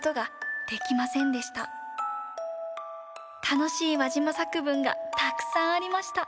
たのしいわじま作文がたくさんありました。